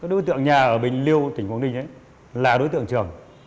đối tượng nhà ở bình liêu tỉnh quảng ninh là đối tượng trường